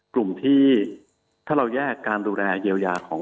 กลุ่มที่ถ้าเราแยกการดูแลเยียวยาของ